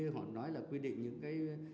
họ nói là quy định những thời gian